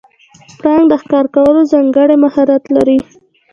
پړانګ د ښکار کولو ځانګړی مهارت لري.